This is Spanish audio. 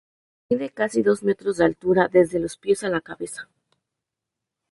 Mide casi dos metros de altura desde los pies a la cabeza.